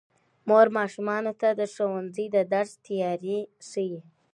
مور ماشومانو ته د ښوونځي د درس تیاری ښيي